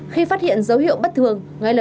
khi phát hiện dấu hiệu bất thường